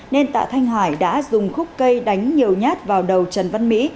nên tạ thanh hải đã dùng khúc cây đánh nhiều nhát vào đầu trần văn mỹ